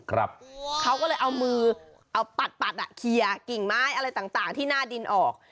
เขาก็เลยเอามือเอาปัดปัดอ่ะเคลียร์กิ่งไม้อะไรต่างต่างที่หน้าดินออก